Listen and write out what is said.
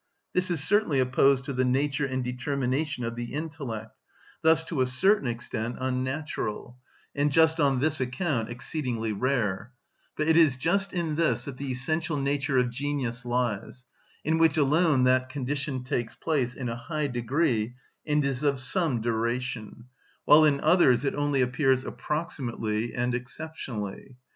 This is certainly opposed to the nature and determination of the intellect, thus to a certain extent unnatural, and just on this account exceedingly rare; but it is just in this that the essential nature of genius lies, in which alone that condition takes place in a high degree and is of some duration, while in others it only appears approximately and exceptionally.